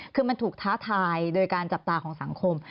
คือมันถูกท้าทายโดยการจับตาของสังคม